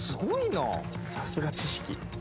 さすが知識。